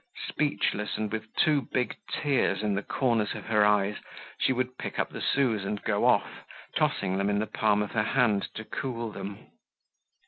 Speechless and with two big tears in the corners of her eyes, she would pick up the sous and go off, tossing them in the palm of her hand to cool them.